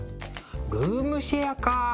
ルームシェアか。